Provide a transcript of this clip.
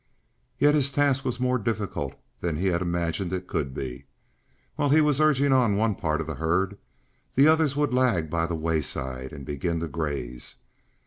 Yet his task was more difficult than he had imagined it could be. While he was urging on one part of the herd, the others would lag by the wayside and begin to graze.